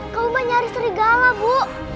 kak umay nyari serigala bu